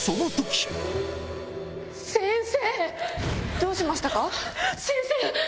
どうしましたか？